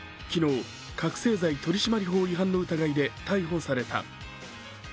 昨日、覚醒剤取締法違反の疑いで逮捕された。